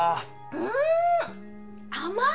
うん甘い！